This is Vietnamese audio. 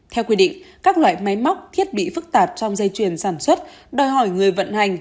theo quy định các loại máy móc thiết bị phức tạp trong dây chuyển sản xuất đòi hỏi người vận hành